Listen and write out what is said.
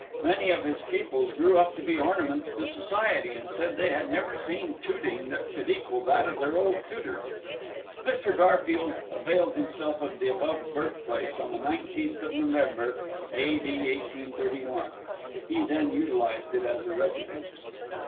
Many of his pupils grew up to be ornaments to society, and said they had never seen tuting that could equal that of their old tutor. Mr. Garfield availed himself of the above birthplace on the 19th of November, A. D. 1831. He then utilized it as a residence.